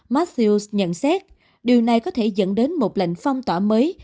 maxios nhận xét điều này có thể dẫn đến một lệnh phong tỏa mới